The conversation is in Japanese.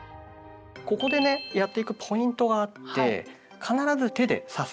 ここでねやっていくポイントがあって必ず手で支えを作って下さい。